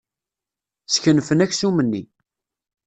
Skenfen aksum-nni.